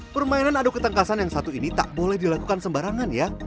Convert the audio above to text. permainan adu ketengkasan yang satu ini tak boleh dilakukan sembarangan ya